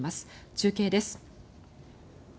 中継です。